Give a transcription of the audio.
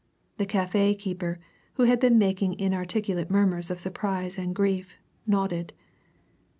The cafe keeper, who had been making inarticulate murmurs of surprise and grief, nodded.